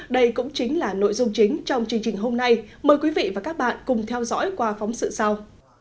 đây cũng chính là nội dung chính trong chương trình hôm nay mời quý vị và các bạn cùng theo dõi qua phóng sự sau